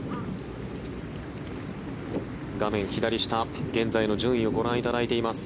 画面左下、現在の順位をご覧いただいています。